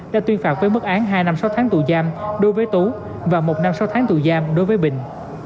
đã tuyên phạt với mức án hai năm sáu tháng tù giam đối với tú và một năm sáu tháng tù giam đối với bình